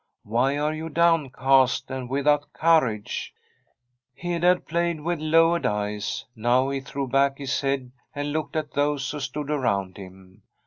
Why are you downcast and without courage ?' Hede had played with lowered eyes ; now he threw back his head and looked at those who stood around him.